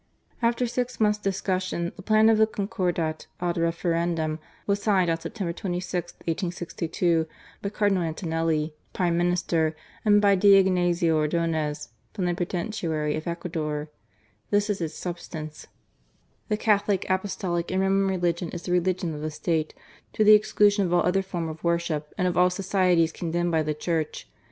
After six months* discussion the plan of the Concordat ad referendum was signed on September 26, 1862, by Cardinal Antonelli, Prime Minister, and by D. Ignazio Ordonez, plenipotentiar}' of Ecuador. This is its substance: The Catholic, Apostolic and Roman religion is the religion of the State to the exclu sion of all other form of worship, and of all societies condemned by the Church.